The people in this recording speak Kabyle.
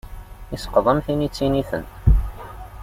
Isqeḍ am tin ittiniten.